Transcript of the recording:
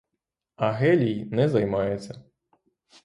А гелій — не займається.